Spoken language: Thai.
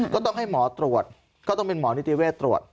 ก็ต้องให้หมอตรวจก็ต้องเป็นหมอนิติเวศตรวจ